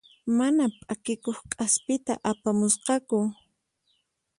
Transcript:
Mana p'akikuq k'aspita apamusqaku.